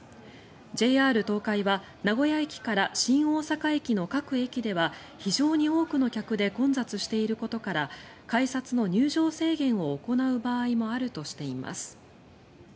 ＪＲ東海は名古屋駅から新大阪駅の各駅では非常に多くの客で混雑していることから改札の入場制限を行う場合もあるとしています。